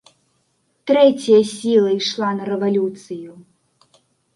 Трэцяя сіла ішла на рэвалюцыю.